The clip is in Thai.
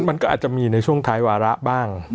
มันก็อาจจะมีในช่วงท้ายวาระบ้าง